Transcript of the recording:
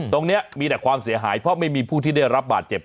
ตรงนี้มีแต่ความเสียหายเพราะไม่มีผู้ที่ได้รับบาดเจ็บ